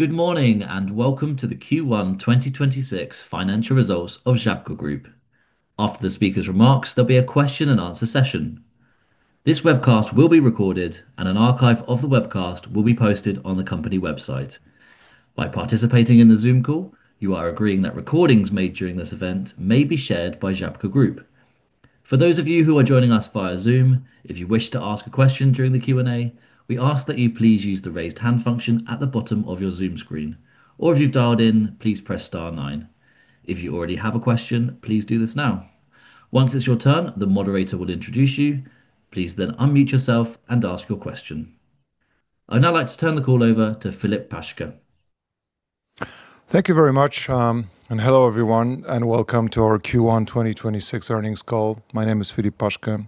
Good morning, welcome to the Q1 2026 financial results of Żabka Group. After the speaker's remarks, there'll be a question and answer session. This webcast will be recorded and an archive of the webcast will be posted on the company website. By participating in the Zoom call, you are agreeing that recordings made during this event may be shared by Żabka Group. For those of you who are joining us via Zoom, if you wish to ask a question during the Q&A, we ask that you please use the raised hand function at the bottom of your Zoom screen, or if you've dialed in, please press star nine. If you already have a question, please do this now. Once it's your turn, the moderator will introduce you. Please then unmute yourself and ask your question. I'd now like to turn the call over to Filip Paszke. Thank you very much, hello everyone, and welcome to our Q1 2026 earnings call. My name is Filip Paszke,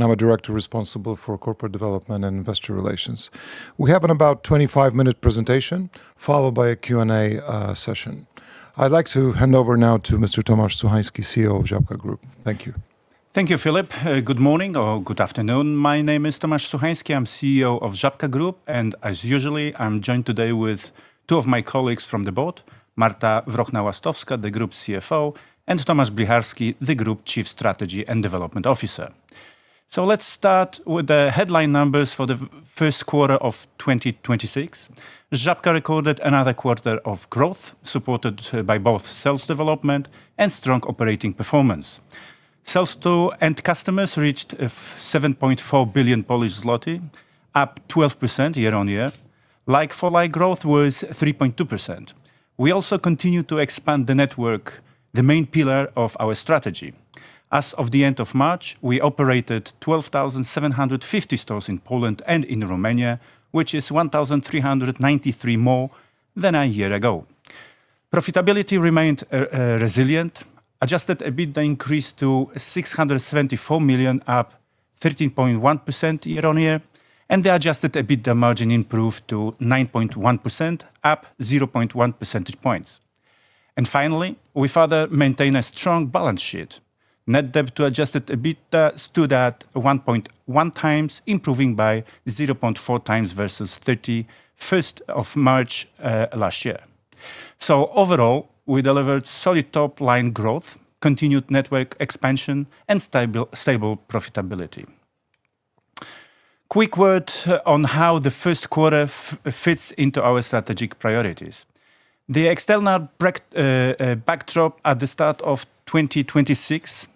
I'm a director responsible for corporate development and investor relations. We have an about 25 minute presentation, followed by a Q&A session. I'd like to hand over now to Mr. Tomasz Suchański, CEO of Żabka Group. Thank you. Thank you, Filip. Good morning or good afternoon. My name is Tomasz Suchański. I'm CEO of Żabka Group, and as usually, I'm joined today with two of my colleagues from the board, Marta Wrochna-Łastowska, the Group CFO, and Tomasz Blicharski, the Group Chief Strategy & Development Officer. Let's start with the headline numbers for the first quarter of 2026. Żabka recorded another quarter of growth, supported by both sales development and strong operating performance. Sales to end customers reached PLN 7.4 billion, up 12% year-on-year. Like-for-like growth was 3.2%. We also continue to expand the network, the main pillar of our strategy. As of the end of March, we operated 12,750 stores in Poland and in Romania, which is 1,393 more than a year ago. Profitability remained resilient. Adjusted EBITDA increased to PLN 674 million, up 13.1% year-on-year, and the adjusted EBITDA margin improved to 9.1%, up 0.1 percentage points. Finally, we further maintain a strong balance sheet. Net debt to adjusted EBITDA stood at 1.1 times, improving by 0.4 times versus March 31 last year. Overall, we delivered solid top line growth, continued network expansion, and stable profitability. Quick word on how the first quarter fits into our strategic priorities. The external backdrop at the start of 2026,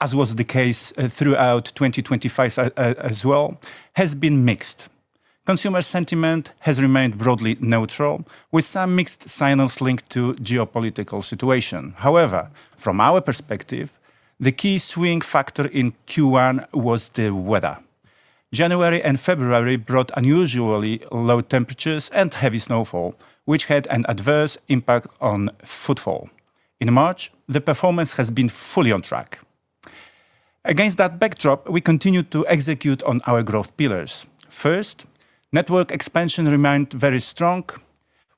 as was the case throughout 2025 as well, has been mixed. Consumer sentiment has remained broadly neutral, with some mixed signals linked to geopolitical situation. However, from our perspective, the key swing factor in Q1 was the weather. January and February brought unusually low temperatures and heavy snowfall, which had an adverse impact on footfall. In March, the performance has been fully on track. Against that backdrop, we continued to execute on our growth pillars. First, network expansion remained very strong.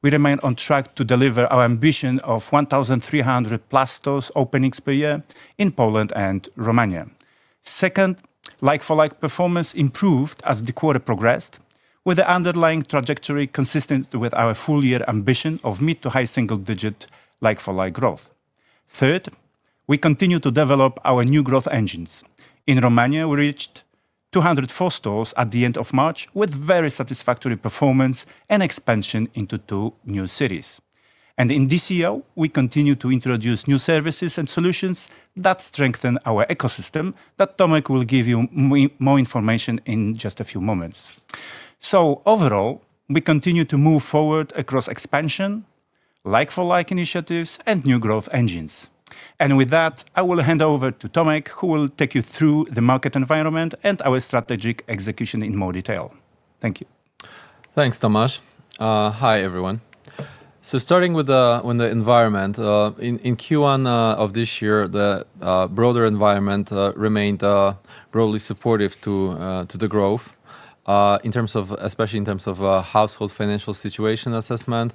We remain on track to deliver our ambition of 1,300+ stores openings per year in Poland and Romania. Second, like-for-like performance improved as the quarter progressed, with the underlying trajectory consistent with our full year ambition of mid to high single-digit like-for-like growth. Third, we continue to develop our New Growth Engines. In Romania, we reached 204 stores at the end of March with very satisfactory performance and expansion into two new cities. In DCIO, we continue to introduce new services and solutions that strengthen our ecosystem, that Tomasz will give you more information in just a few moments. Overall, we continue to move forward across expansion, like-for-like initiatives, and New Growth Engines. With that, I will hand over to Tomasz, who will take you through the market environment and our strategic execution in more detail. Thank you. Thanks, Tomasz. Hi everyone. Starting with the environment. In Q1 of this year, the broader environment remained broadly supportive to the growth, especially in terms of household financial situation assessment,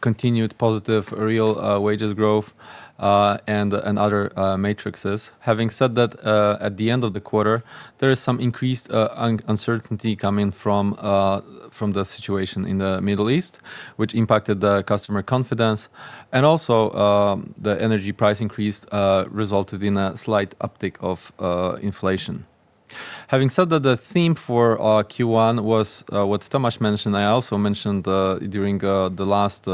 continued positive real wages growth, and other matrixes. Having said that, at the end of the quarter, there is some increased uncertainty coming from the situation in the Middle East, which impacted the customer confidence, and also the energy price increase resulted in a slight uptick of inflation. Having said that, the theme for Q1 was what Tomasz mentioned, I also mentioned during the last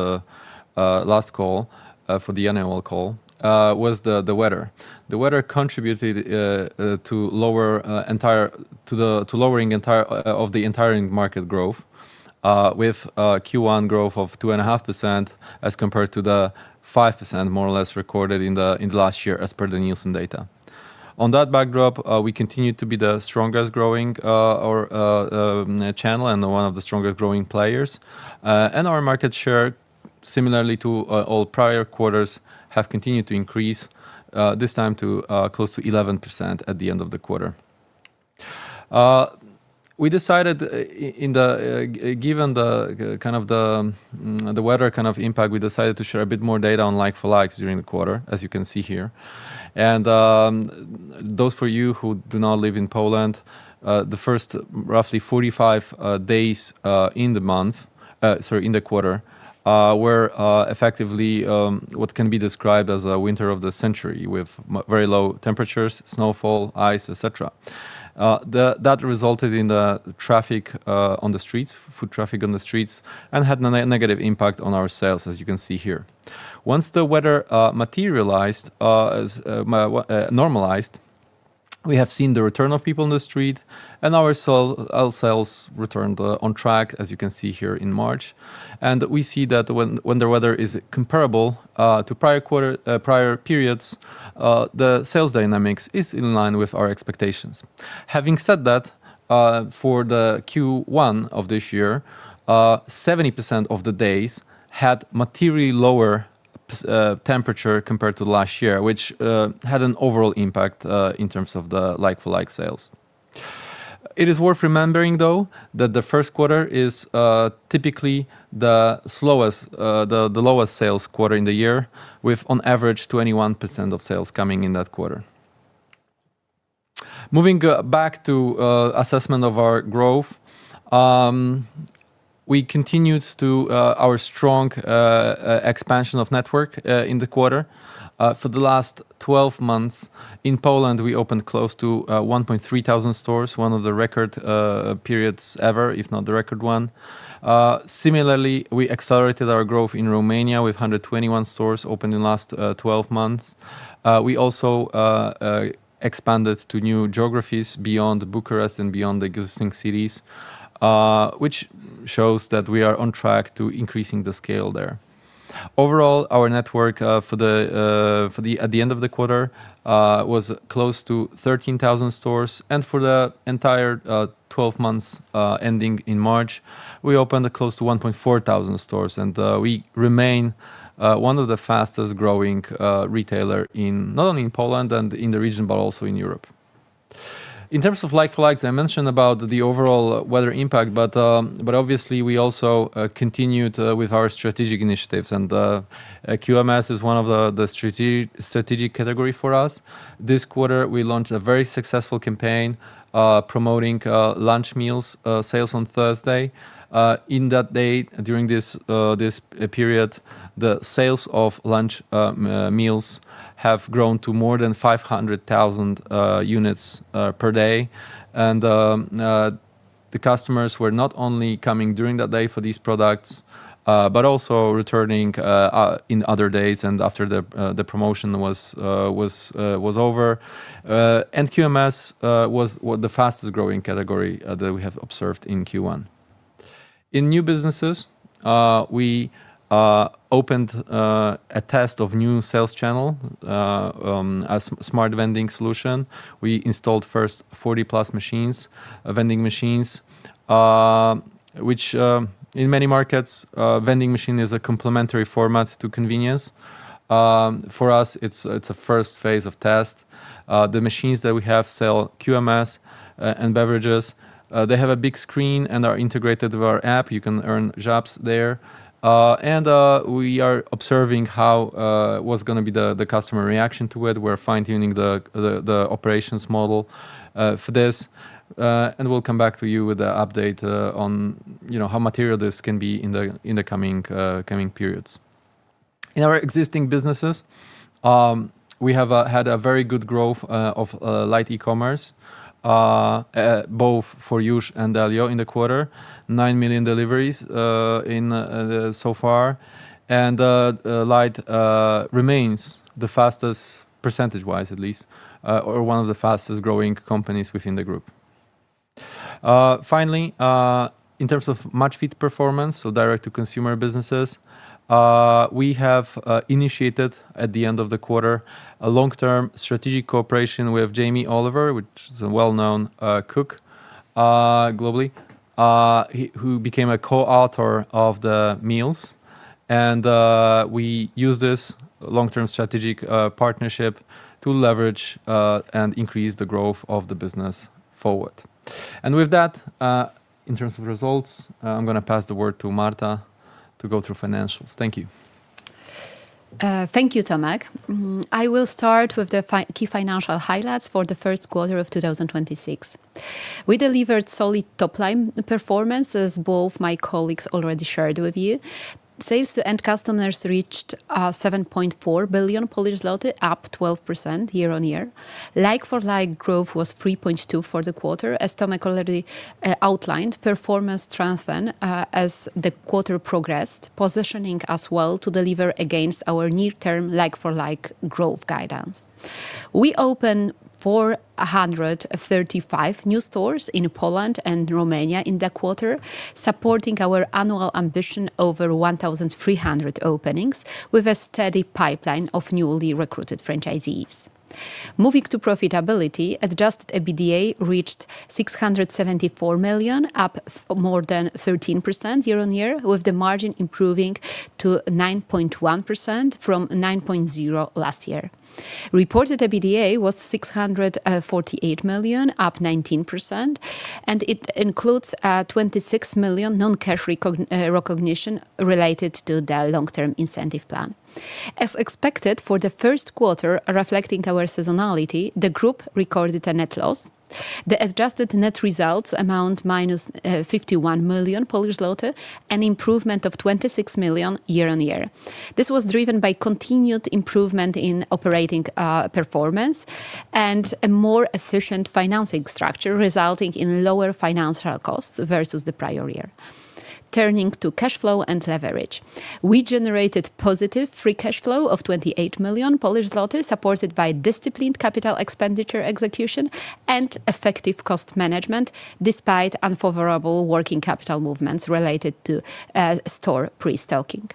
last call for the annual call, was the weather. The weather contributed to lowering of the entire market growth, with Q1 growth of 2.5% as compared to the 5% more or less recorded in the last year, as per the Nielsen data. On that backdrop, we continued to be the strongest growing channel and one of the strongest growing players. Our market share, similarly to all prior quarters, have continued to increase this time to close to 11% at the end of the quarter. We decided, given the kind of weather impact, to share a bit more data on like-for-like during the quarter, as you can see here. Those for you who do not live in Poland, the first roughly 45 days in the month, sorry, in the quarter, were effectively what can be described as a winter of the century with very low temperatures, snowfall, ice, et cetera. That resulted in the traffic on the streets, foot traffic on the streets, and had a negative impact on our sales, as you can see here. Once the weather materialized, as normalized, we have seen the return of people in the street and our sales returned on track, as you can see here in March. We see that when the weather is comparable to prior quarter, prior periods, the sales dynamics is in line with our expectations. Having said that, for the Q1 of this year, 70% of the days had materially lower temperature compared to last year, which had an overall impact in terms of the like-for-like sales. It is worth remembering, though, that the first quarter is typically the slowest, the lowest sales quarter in the year with on average 21% of sales coming in that quarter. Moving back to assessment of our growth, we continued to our strong expansion of network in the quarter. For the last 12 months in Poland, we opened close to 1,300 stores, one of the record periods ever, if not the record one. Similarly, we accelerated our growth in Romania with 121 stores opened in last 12 months. We also expanded to new geographies beyond Bucharest and beyond existing cities, which shows that we are on track to increasing the scale there. Overall, our network for the at the end of the quarter was close to 13,000 stores. For the entire 12 months ending in March, we opened close to 1,400 stores. We remain one of the fastest growing retailer in, not only in Poland and in the region, but also in Europe. In terms of like-for-like, I mentioned about the overall weather impact, but obviously we also continued with our strategic initiatives and QMS is one of the strategic category for us. This quarter, we launched a very successful campaign, promoting lunch meals sales on Thursday. In that day, during this period, the sales of lunch meals have grown to more than 500,000 units per day. The customers were not only coming during that day for these products, but also returning in other days and after the promotion was over. QMS was one the fastest growing category that we have observed in Q1. In new businesses, we opened a test of new sales channel, a smart vending solution. We installed first 40-plus machines, vending machines, which in many markets, vending machine is a complementary format to convenience. For us, it's a first phase of test. The machines that we have sell QMS and beverages. They have a big screen and are integrated with our app. You can earn żappsy there. We are observing how what's gonna be the customer reaction to it. We're fine-tuning the operations model for this. We'll come back to you with a update on, you know, how material this can be in the coming periods. In our existing businesses, we have had a very good growth of Lite e-commerce both for Jush and Delio in the quarter. 9 million deliveries in the so far. Lite e-commerce remains the fastest, percentage-wise at least, or one of the fastest growing companies within the group. Finally, in terms of Maczfit performance, so direct to consumer businesses, we have initiated at the end of the quarter a long-term strategic cooperation with Jamie Oliver, which is a well-known cook globally, he, who became a co-author of the meals. We use this long-term strategic partnership to leverage and increase the growth of the business forward. With that, in terms of results, I'm gonna pass the word to Marta to go through financials. Thank you. Thank you, Tomasz. I will start with the key financial highlights for the first quarter of 2026. We delivered solid top-line performance, as both my colleagues already shared with you. Sales to end customers reached 7.4 billion Polish zloty, up 12% year-on-year. Like-for-like growth was 3.2% for the quarter. As Tomasz already outlined, performance strengthened as the quarter progressed, positioning us well to deliver against our near-term like-for-like growth guidance. We opened 435 new stores in Poland and Romania in the quarter, supporting our annual ambition over 1,300 openings, with a steady pipeline of newly recruited franchisees. Moving to profitability, adjusted EBITDA reached 674 million, up more than 13% year-on-year, with the margin improving to 9.1% from 9.0% last year. Reported EBITDA was 648 million, up 19%, and it includes 26 million non-cash recognition related to the Long-Term Incentive Plan. As expected, for the first quarter, reflecting our seasonality, the group recorded a net loss. The adjusted net results amount minus 51 million Polish zloty, an improvement of 26 million year-on-year. This was driven by continued improvement in operating performance and a more efficient financing structure, resulting in lower financial costs versus the prior year. Turning to cash flow and leverage. We generated positive free cash flow of 28 million Polish zloty, supported by disciplined capital expenditure execution and effective cost management, despite unfavorable working capital movements related to store pre-stocking.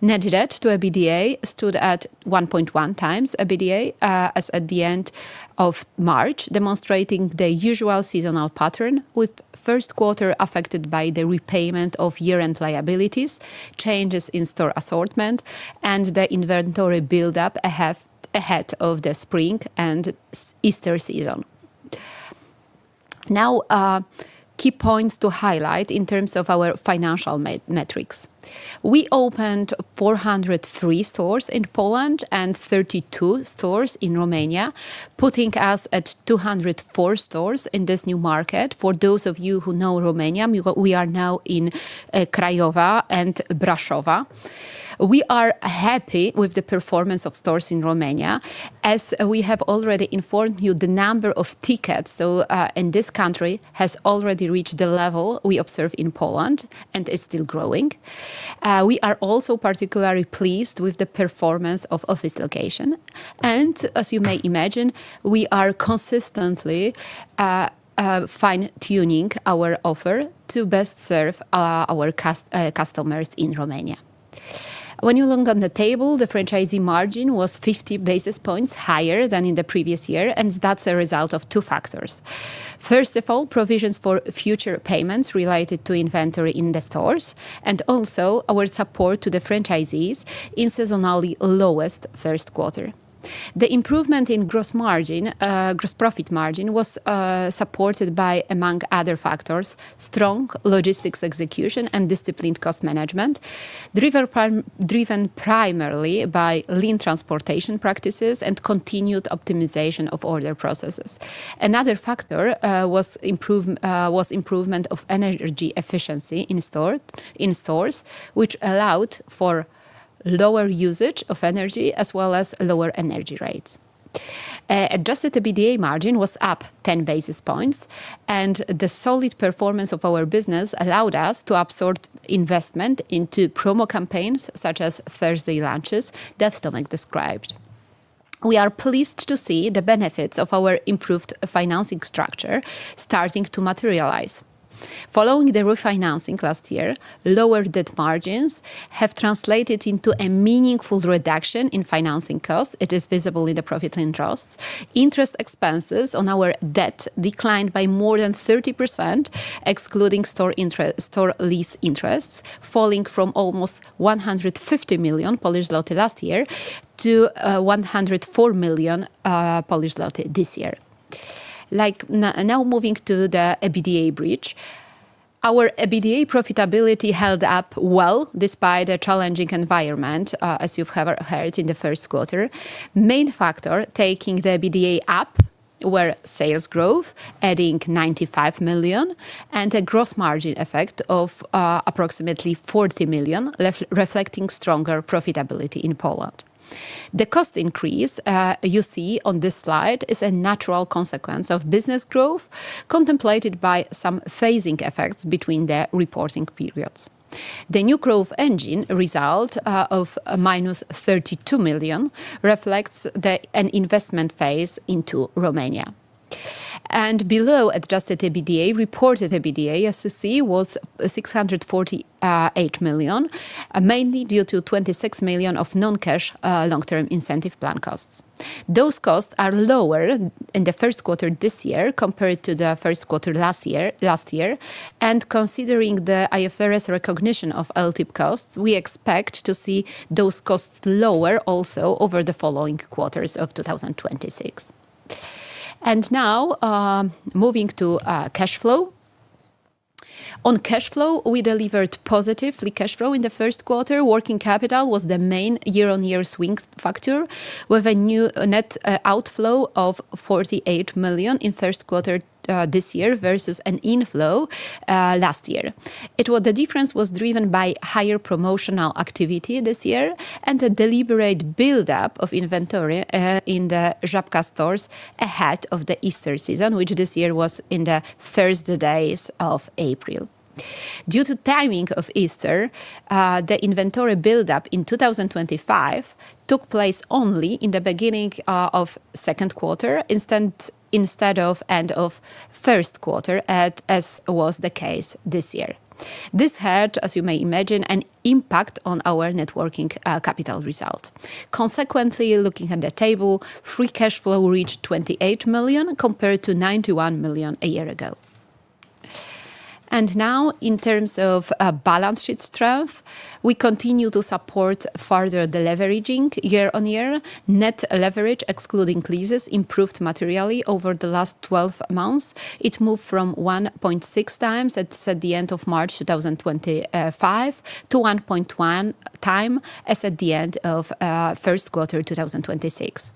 Net debt to EBITDA stood at 1.1 times EBITDA as at the end of March, demonstrating the usual seasonal pattern, with first quarter affected by the repayment of year-end liabilities, changes in store assortment, and the inventory buildup ahead of the spring and Easter season. Now, key points to highlight in terms of our financial metrics. We opened 403 stores in Poland and 32 stores in Romania, putting us at 204 stores in this new market. For those of you who know Romania, we are now in Craiova and Brasov. We are happy with the performance of stores in Romania. As we have already informed you, the number of tickets in this country has already reached the level we observe in Poland and is still growing. We are also particularly pleased with the performance of office location. As you may imagine, we are consistently fine-tuning our offer to best serve our customers in Romania. When you look on the table, the franchisee margin was 50 basis points higher than in the previous year, and that's a result of two factors. First of all, provisions for future payments related to inventory in the stores, and also our support to the franchisees in seasonally lowest first quarter. The improvement in gross margin, gross profit margin, was supported by, among other factors, strong logistics execution and disciplined cost management, driven primarily by lean transportation practices and continued optimization of order processes. Another factor was improvement of energy efficiency in stores, which allowed for lower usage of energy as well as lower energy rates. Adjusted EBITDA margin was up 10 basis points, the solid performance of our business allowed us to absorb investment into promo campaigns, such as Thursday lunches that Tomasz described. We are pleased to see the benefits of our improved financing structure starting to materialize. Following the refinancing last year, lower debt margins have translated into a meaningful reduction in financing costs. It is visible in the profit interests. Interest expenses on our debt declined by more than 30%, excluding store lease interests, falling from almost 150 million Polish zloty last year to 104 million Polish zloty this year. Now moving to the EBITDA bridge. Our EBITDA profitability held up well despite a challenging environment, as you've heard in the first quarter. Main factor taking the EBITDA up were sales growth, adding 95 million, and a gross margin effect of approximately 40 million, reflecting stronger profitability in Poland. The cost increase you see on this slide is a natural consequence of business growth, contemplated by some phasing effects between the reporting periods. The New Growth Engine result of minus 32 million reflects an investment phase into Romania. Below adjusted EBITDA, reported EBITDA, as you see, was 648 million, mainly due to 26 million of non-cash long-term incentive plan costs. Those costs are lower in the first quarter this year compared to the first quarter last year. Considering the IFRS recognition of LTIP costs, we expect to see those costs lower also over the following quarters of 2026. Moving to cash flow. On cash flow, we delivered positive free cash flow in the first quarter. Working capital was the main year-on-year swing factor, with a new net outflow of 48 million in first quarter this year versus an inflow last year. The difference was driven by higher promotional activity this year and a deliberate buildup of inventory in the Żabka stores ahead of the Easter season, which this year was in the first days of April. Due to timing of Easter, the inventory buildup in 2025 took place only in the beginning of second quarter, instead of end of first quarter, as was the case this year. This had, as you may imagine, an impact on our net working capital result. Looking at the table, free cash flow reached 28 million, compared to 91 million a year ago. In terms of balance sheet strength, we continue to support further deleveraging year-on-year. Net leverage excluding leases improved materially over the last 12 months. It moved from 1.6 times, that's at the end of March 2025, to 1.1 time as at the end of first quarter 2026.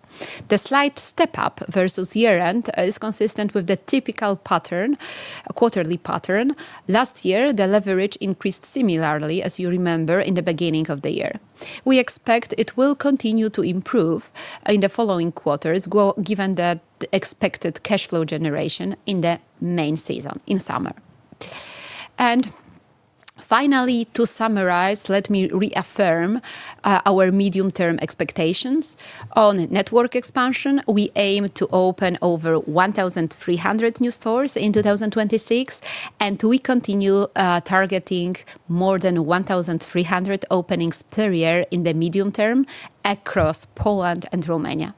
The slight step up versus year-end is consistent with the typical pattern, quarterly pattern. Last year, the leverage increased similarly, as you remember, in the beginning of the year. We expect it will continue to improve in the following quarters given the expected cash flow generation in the main season, in summer. Finally, to summarize, let me reaffirm our medium-term expectations. On network expansion, we aim to open over 1,300 new stores in 2026, and we continue targeting more than 1,300 openings per year in the medium term across Poland and Romania.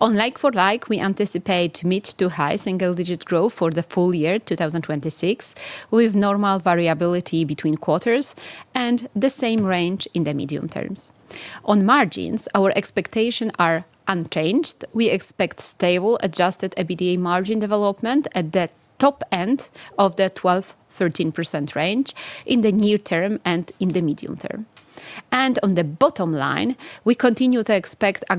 On like-for-like, we anticipate mid to high single-digit growth for the full year 2026, with normal variability between quarters and the same range in the medium terms. On margins, our expectations are unchanged. We expect stable adjusted EBITDA margin development at the top end of the 12%-13% range in the near term and in the medium term. On the bottom line, we continue to expect a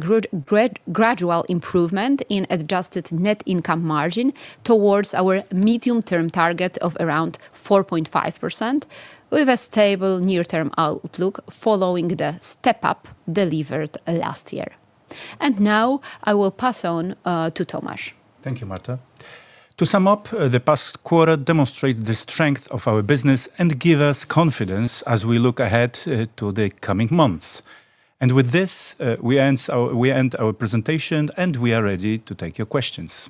gradual improvement in adjusted net income margin towards our medium-term target of around 4.5%, with a stable near-term outlook following the step-up delivered last year. Now I will pass on to Tomasz. Thank you, Marta. To sum up, the past quarter demonstrates the strength of our business and give us confidence as we look ahead to the coming months. With this, we end our presentation. We are ready to take your questions.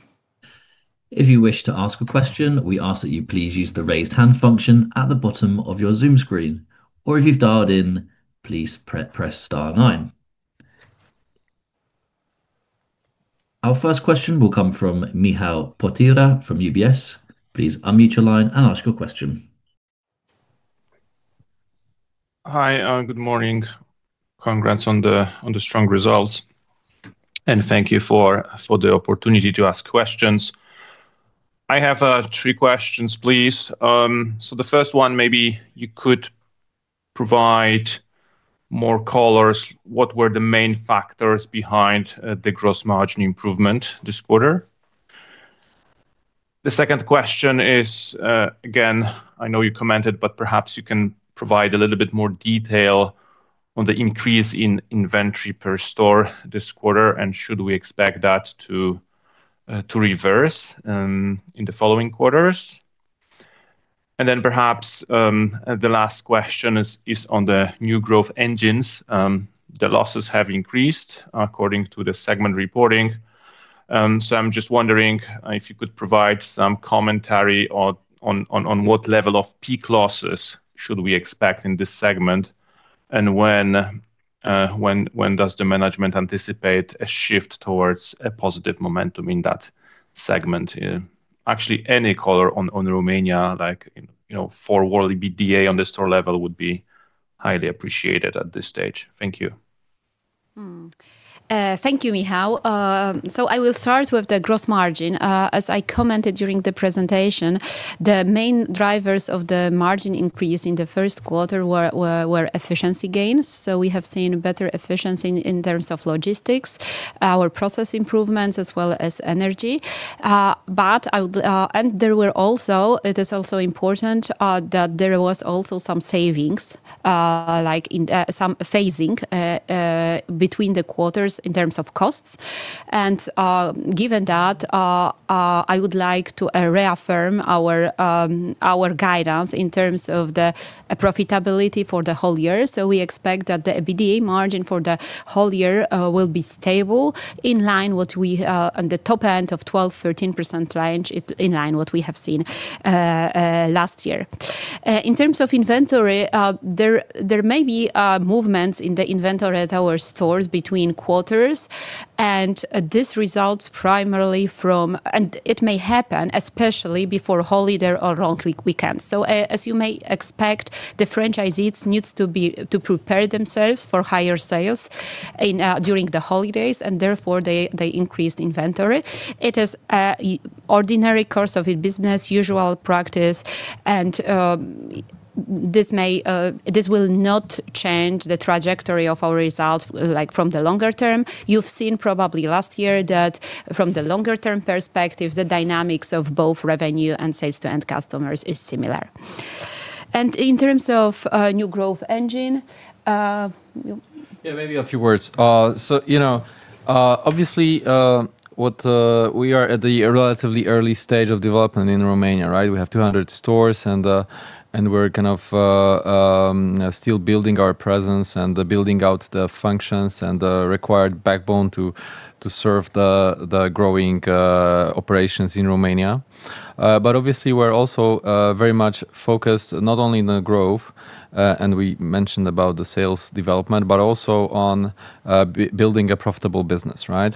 If you wish to ask a question, we ask that you please use the raise hand function at the bottom of your Zoom screen. If you've dialed in, please press star nine. Our first question will come from Michał Potyra from UBS. Please unmute your line and ask your question. Hi, good morning. Congrats on the strong results. Thank you for the opportunity to ask questions. I have three questions, please. The first one, maybe you could provide more colors. What were the main factors behind the gross margin improvement this quarter? The second question is again, I know you commented, but perhaps you can provide a little bit more detail on the increase in inventory per store this quarter, and should we expect that to reverse in the following quarters? Then perhaps the last question is on the New Growth Engines. The losses have increased according to the segment reporting. I'm just wondering if you could provide some commentary or on what level of peak losses should we expect in this segment and when does the management anticipate a shift towards a positive momentum in that segment? Yeah. Actually, any color on Romania, like, you know, forward EBITDA on the store level would be highly appreciated at this stage. Thank you. Thank you, Michał. I will start with the gross margin. As I commented during the presentation, the main drivers of the margin increase in the first quarter were efficiency gains. We have seen better efficiency in terms of logistics, our process improvements, as well as energy. It is also important that there was also some savings, like in some phasing between the quarters in terms of costs. Given that, I would like to reaffirm our guidance in terms of the profitability for the whole year. We expect that the EBITDA margin for the whole year will be stable, in line what we on the top end of 12%-13% range, in line what we have seen last year. In terms of inventory, there may be movements in the inventory at our stores between quarters, and this results primarily from. It may happen especially before holiday or long weekends. As you may expect, the franchisees needs to prepare themselves for higher sales during the holidays and therefore they increased inventory. It is ordinary course of business, usual practice, and this may this will not change the trajectory of our results, like from the longer term. You've seen probably last year that from the longer term perspective, the dynamics of both revenue and sales to end customers is similar. Yeah, maybe a few words. You know, obviously, we are at the relatively early stage of development in Romania, right? We have 200 stores and we're kind of still building our presence and building out the functions and the required backbone to serve the growing operations in Romania. Obviously we're also very much focused not only on the growth, and we mentioned about the sales development, but also on building a profitable business, right?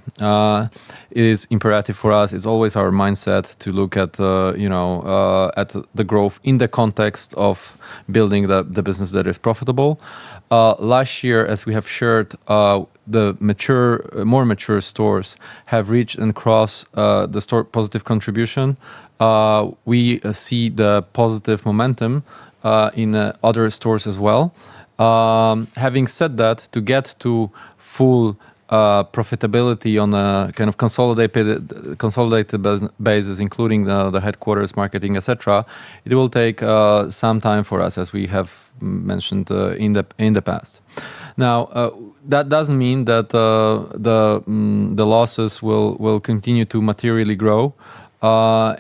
It is imperative for us, it's always our mindset to look at, you know, at the growth in the context of building the business that is profitable. Last year, as we have shared, the mature, more mature stores have reached and crossed the store positive contribution. We see the positive momentum in other stores as well. Having said that, to get to full profitability on a kind of consolidated basis, including the headquarters marketing, et cetera, it will take some time for us, as we have mentioned in the past. That doesn't mean that the losses will continue to materially grow. That's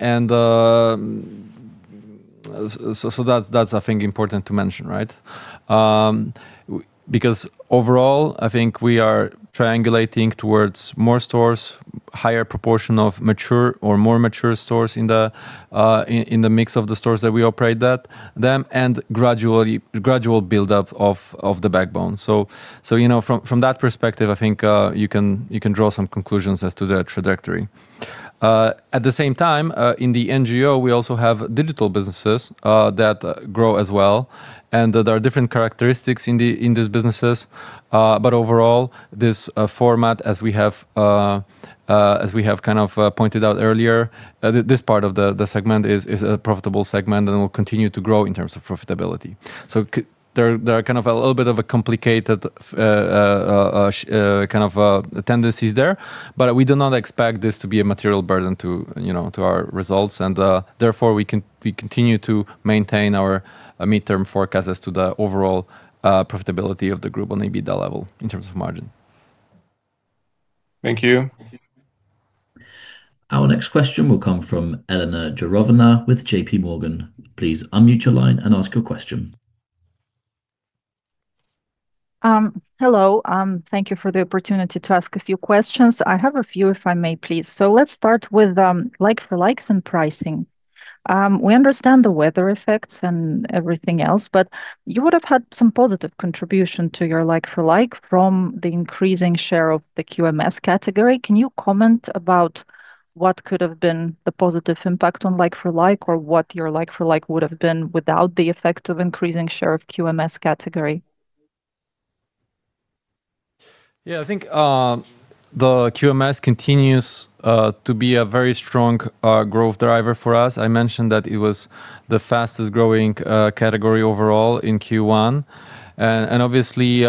I think important to mention, right? Because overall I think we are triangulating towards more stores, higher proportion of mature or more mature stores in the mix of the stores that we operate that, them, and gradual buildup of the backbone. You know, from that perspective, I think you can draw some conclusions as to the trajectory. At the same time, in the NGE, we also have digital businesses that grow as well, and that there are different characteristics in these businesses. Overall, this format as we have kind of pointed out earlier, this part of the segment is a profitable segment and will continue to grow in terms of profitability. There are kind of a little bit of a complicated tendencies there, but we do not expect this to be a material burden to, you know, to our results and therefore we can, we continue to maintain our midterm forecast as to the overall profitability of the group on a EBITDA level in terms of margin. Thank you. Our next question will come from Elena Zhuravleva with JP Morgan. Please unmute your line and ask your question. Hello. Thank you for the opportunity to ask a few questions. I have a few, if I may, please. Let's start with like-for-like and pricing. We understand the weather effects and everything else, but you would have had some positive contribution to your like-for-like from the increasing share of the QMS category. Can you comment about what could have been the positive impact on like-for-like or what your like-for-like would have been without the effect of increasing share of QMS category? Yeah. I think the QMS continues to be a very strong growth driver for us. I mentioned that it was the fastest growing category overall in Q1 and obviously,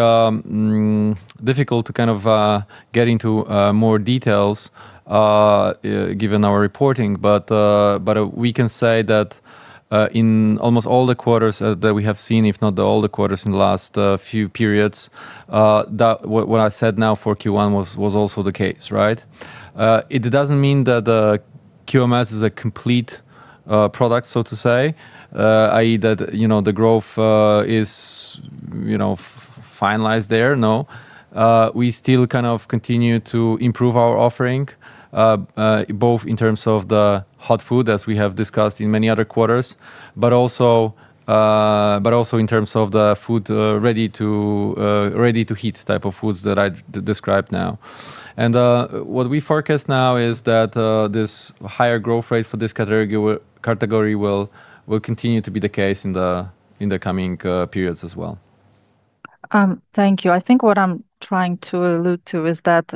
difficult to kind of get into more details given our reporting. We can say that in almost all the quarters that we have seen, if not all the quarters in the last few periods, that what I said now for Q1 was also the case, right? It doesn't mean that the QMS is a complete product, so to say, i.e., that, you know, the growth is, you know, finalized there. No. We still kind of continue to improve our offering, both in terms of the hot food as we have discussed in many other quarters, but also in terms of the food, ready to heat type of foods that I describe now. What we forecast now is that this higher growth rate for this category will continue to be the case in the coming periods as well. Thank you. I think what I'm trying to allude to is that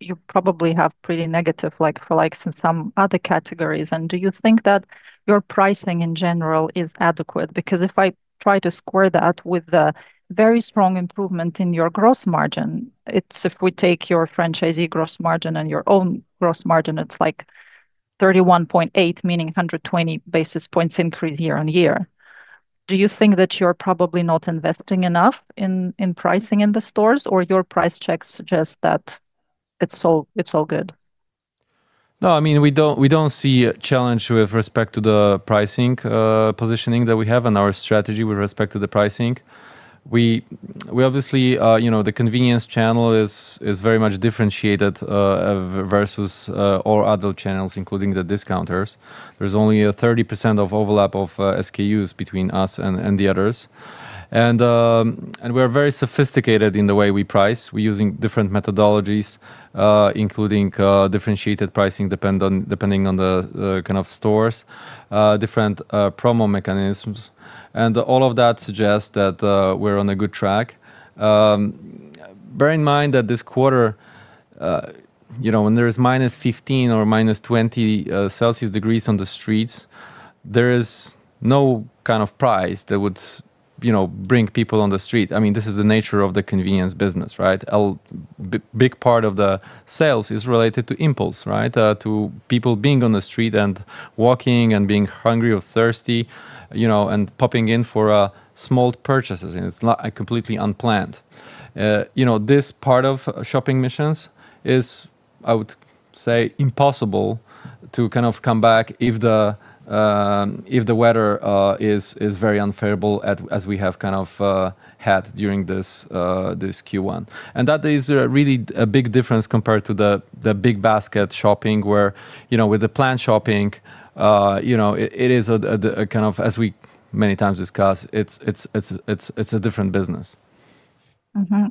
you probably have pretty negative like-for-like in some other categories, and do you think that your pricing in general is adequate? Because if I try to square that with the very strong improvement in your gross margin, it's, if we take your franchisee gross margin and your own gross margin, it's like 31.8, meaning a 120 basis points increase year-on-year. Do you think that you're probably not investing enough in pricing in the stores, or your price checks suggest that it's all, it's all good? No. I mean, we don't see a challenge with respect to the pricing positioning that we have and our strategy with respect to the pricing. We obviously, you know, the convenience channel is very much differentiated versus all other channels, including the discounters. There's only a 30% of overlap of SKUs between us and the others. We're very sophisticated in the way we price. We're using different methodologies, including differentiated pricing depending on the kind of stores, different promo mechanisms, and all of that suggests that we're on a good track. Bear in mind that this quarter, you know, when there is minus 15 or minus 20 Celsius degrees on the streets, there is no kind of price that would you know, bring people on the street. I mean, this is the nature of the convenience business, right? A big part of the sales is related to impulse, right? To people being on the street and walking and being hungry or thirsty, you know, and popping in for small purchases and it's not completely unplanned. You know, this part of shopping missions is, I would say, impossible to kind of come back if the weather is very unfavorable, as we have kind of had during this Q1. That is really a big difference compared to the big basket shopping where, you know, with the planned shopping, you know, it is a kind of, as we many times discuss, it's a different business.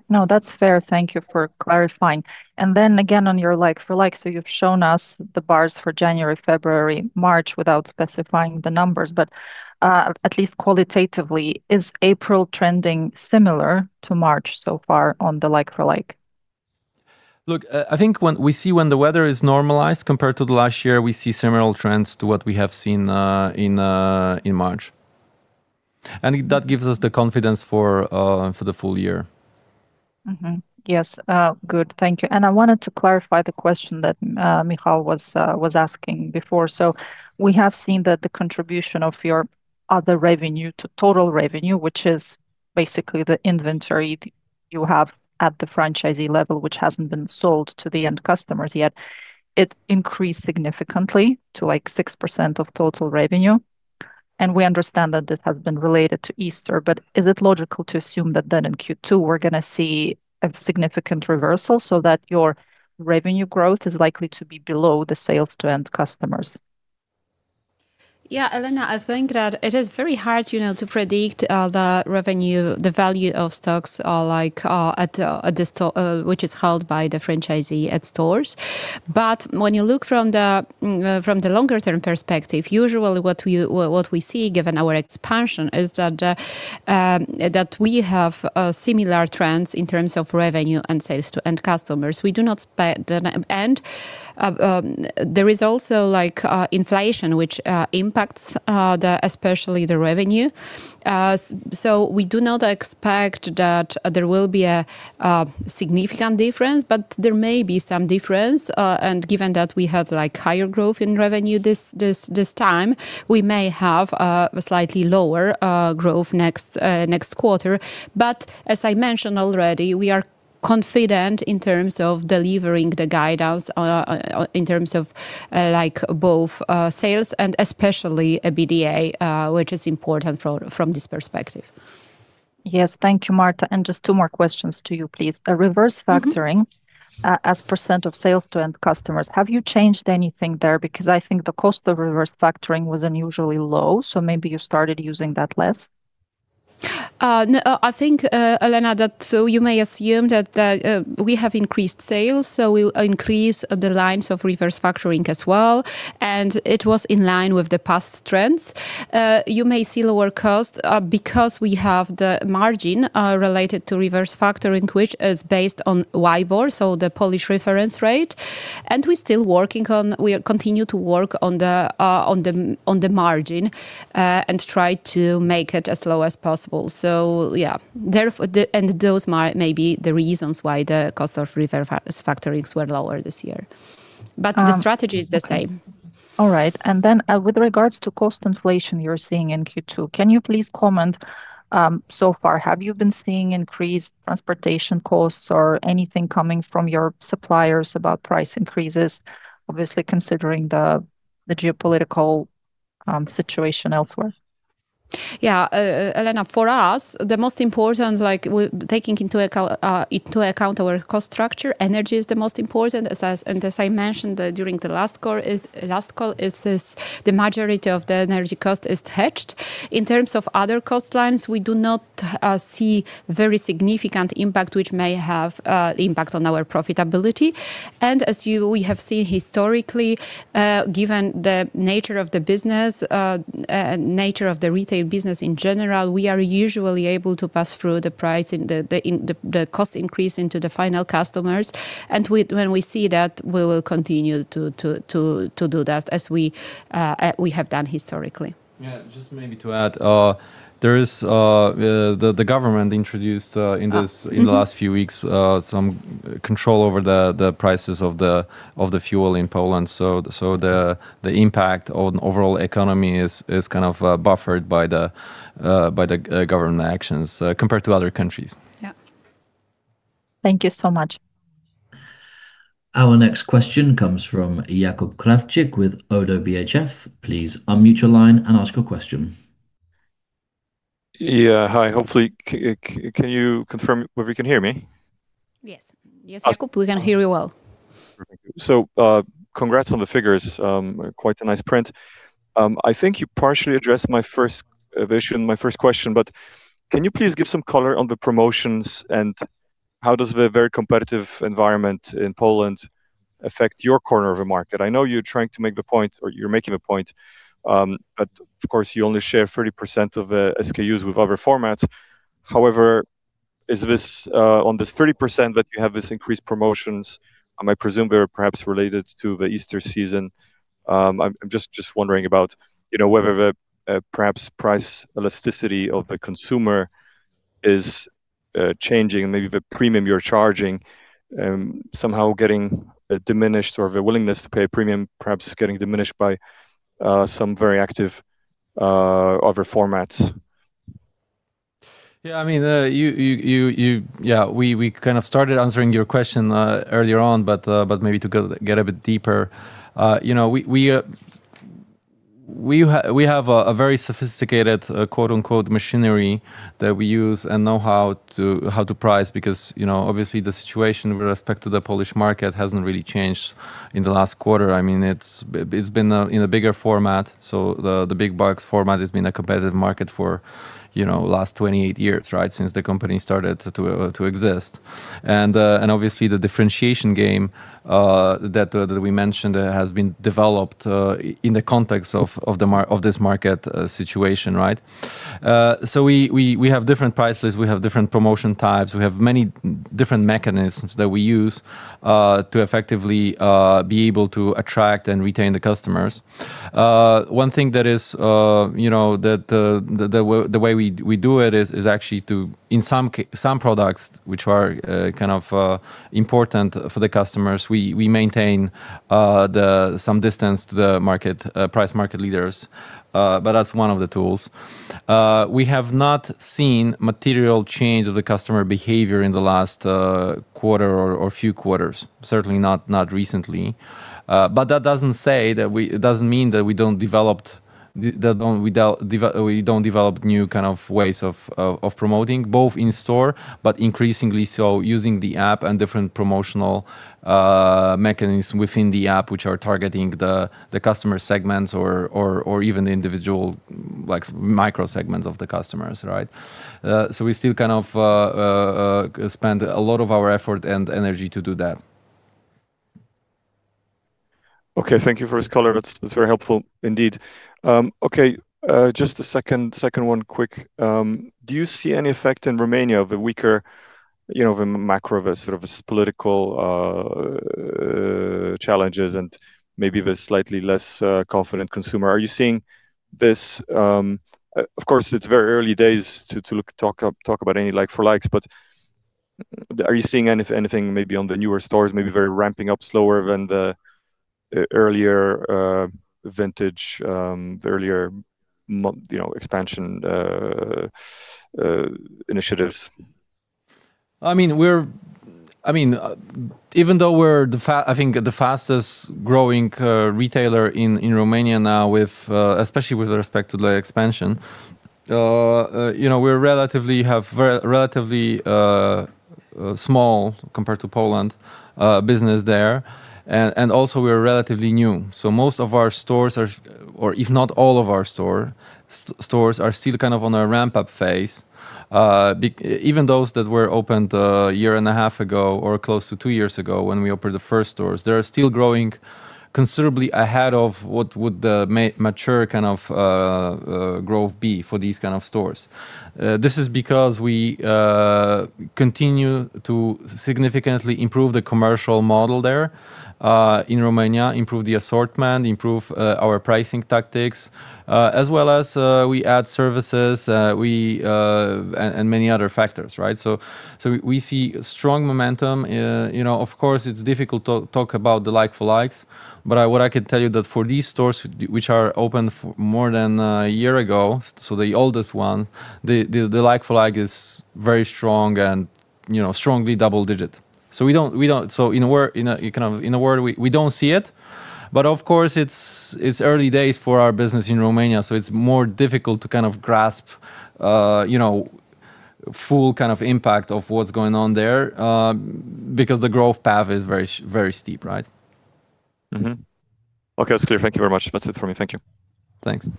No, that's fair. Thank you for clarifying. Again on your like-for-like, you've shown us the bars for January, February, March without specifying the numbers, but at least qualitatively, is April trending similar to March so far on the like-for-like? Look, I think when we see when the weather is normalized compared to the last year, we see similar trends to what we have seen in March, and that gives us the confidence for the full year. Mm-hmm. Yes. Good. Thank you. I wanted to clarify the question that Michał was asking before. We have seen that the contribution of your other revenue to total revenue, which is basically the inventory you have at the franchisee level, which hasn't been sold to the end customers yet, it increased significantly to, like, 6% of total revenue. We understand that it has been related to Easter. Is it logical to assume that in Q2 we're gonna see a significant reversal so that your revenue growth is likely to be below the sales to end customers? Yeah, Elena, I think that it is very hard, you know, to predict the revenue, the value of stocks, like, which is held by the franchisee at stores. When you look from the longer term perspective, usually what we see given our expansion is that we have similar trends in terms of revenue and sales to end customers. There is also, like, inflation, which impacts the, especially the revenue. We do not expect that there will be a significant difference, but there may be some difference. Given that we had, like, higher growth in revenue this time, we may have a slightly lower growth next quarter. As I mentioned already, we are confident in terms of delivering the guidance, in terms of, like both, sales and especially, EBITDA, which is important from this perspective. Yes. Thank you, Marta. Just 2 more questions to you, please. Reverse factoring. Mm-hmm... as % of sales to end customers, have you changed anything there? I think the cost of reverse factoring was unusually low. Maybe you started using that less. No, I think, Elena, that so you may assume that we have increased sales, so we will increase the lines of reverse factoring as well. It was in line with the past trends. You may see lower cost because we have the margin related to reverse factoring, which is based on WIBOR, so the Polish reference rate. We continue to work on the margin and try to make it as low as possible. Yeah, therefore those may be the reasons why the cost of reverse factorings were lower this year. Um- The strategy is the same. All right. With regards to cost inflation you're seeing in Q2, can you please comment, so far, have you been seeing increased transportation costs or anything coming from your suppliers about price increases, obviously considering the geopolitical situation elsewhere? Yeah. Elena, for us, the most important, like, taking into account our cost structure, energy is the most important. As I mentioned during the last call, the majority of the energy cost is hedged. In terms of other cost lines, we do not see very significant impact, which may have impact on our profitability. As we have seen historically, given the nature of the business, nature of the retail business in general, we are usually able to pass through the price in the cost increase into the final customers. When we see that, we will continue to do that as we have done historically. Yeah, just maybe to add, there is the government introduced. Mm-hmm... in the last few weeks, some control over the prices of the fuel in Poland, so the impact on overall economy is kind of buffered by the government actions compared to other countries. Yeah. Thank you so much. Our next question comes from Jakub Krawczyk with Oddo BHF. Please unmute your line and ask your question. Yeah. Hi. Hopefully, can you confirm whether you can hear me? Yes. Yes, Jakub, we can hear you well. Congrats on the figures. Quite a nice print. I think you partially addressed my first vision, my first question, can you please give some color on the promotions, and how does the very competitive environment in Poland affect your corner of the market? I know you're trying to make the point or you're making the point, of course, you only share 30% of the SKUs with other formats. Is this on this 30% that you have this increased promotions, I presume they are perhaps related to the Easter season. I'm just wondering about, you know, whether the perhaps price elasticity of the consumer is changing and maybe the premium you're charging, somehow getting diminished or the willingness to pay a premium perhaps is getting diminished by some very active other formats. Yeah. I mean, we kind of started answering your question earlier on, maybe to go get a bit deeper. You know, we have a very sophisticated, quote unquote, "machinery" that we use and know how to price because, you know, obviously the situation with respect to the Polish market hasn't really changed in the last quarter. I mean, it's been a, in a bigger format, so the big box format has been a competitive market for, you know, last 28 years, right? Since the company started to exist. Obviously the differentiation game that we mentioned has been developed in the context of this market situation, right? We have different prices, we have different promotion types, we have many different mechanisms that we use to effectively be able to attract and retain the customers. One thing that is, you know, that the way we do it is actually to in some products which are kind of important for the customers, we maintain the some distance to the market price market leaders. That's one of the tools. We have not seen material change of the customer behavior in the last quarter or few quarters. Certainly not recently. That doesn't say that we... It doesn't mean that we don't develop new kind of ways of, of promoting both in store but increasingly so using the app and different promotional mechanisms within the app, which are targeting the customer segments or, or even the individual, like, micro segments of the customers, right. We still kind of spend a lot of our effort and energy to do that. Okay. Thank you for this color. That's very helpful indeed. Okay, just a second one quick. Do you see any effect in Romania of a weaker, you know, the macro, the sort of political challenges and maybe the slightly less confident consumer? Are you seeing this? Of course, it's very early days to look, talk about any like-for-likes, but are you seeing anything maybe on the newer stores, maybe very ramping up slower than the earlier vintage, the earlier, you know, expansion initiatives? I mean, we're. I mean, even though we're I think the fastest growing retailer in Romania now with, especially with respect to the expansion, you know, we're relatively relatively small compared to Poland business there and, also we're relatively new. Most of our stores are, or if not all of our stores are still kind of on a ramp up phase. Even those that were opened a year and a half ago or close to 2 years ago when we opened the first stores, they are still growing considerably ahead of what would the mature kind of growth be for these kind of stores. This is because we continue to significantly improve the commercial model there in Romania, improve the assortment, improve our pricing tactics, as well as we add services and many other factors, right? We see strong momentum. You know, of course it's difficult to talk about the like-for-likes, but what I can tell you that for these stores which are open more than a year ago, so the oldest one, the like-for-like is very strong and, you know, strongly double-digit. We don't... In a word, kind of, we don't see it, but of course it's early days for our business in Romania, so it's more difficult to kind of grasp, you know, full kind of impact of what's going on there, because the growth path is very steep, right? Mm-hmm. Okay. It's clear. Thank you very much. That's it for me. Thank you. Thanks.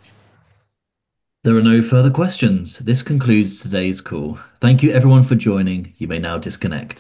There are no further questions. This concludes today's call. Thank you everyone for joining. You may now disconnect.